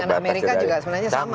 amerika juga sebenarnya sama